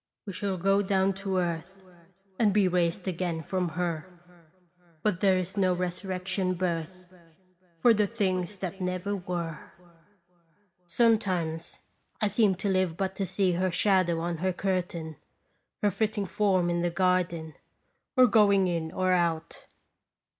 " We shall go down to earth, And be raised again from her ; But there is no resurrection birth For the things that never were." Sometimes I seem to live but to see her shadow on her curtain, her flitting form in the garden, or going in or out.